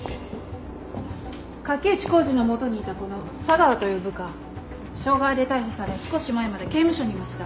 垣内浩二の下にいたこの佐川という部下傷害で逮捕され少し前まで刑務所にいました。